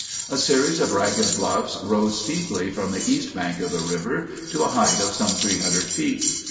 A series of ragged bluffs rose steeply from the east bank of the river to a height of some 300 feet.